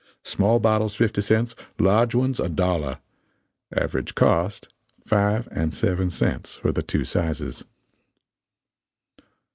Small bottles fifty cents, large ones a dollar. Average cost, five and seven cents for the two sizes.